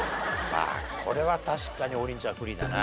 まあこれは確かに王林ちゃん不利だな。